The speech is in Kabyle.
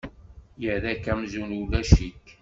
Yerra-k amzun ulac-ik.